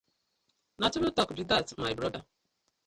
Na true talk be dat my brother.